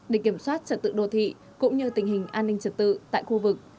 để kiểm soát trật tự đô thị cũng như tình hình an ninh trật tự tại khu vực